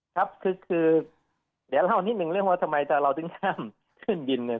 ครับคือเดี๋ยวเล่านิดนึงเรื่องว่าทำไมเราถึงห้ามขึ้นบินเนี่ย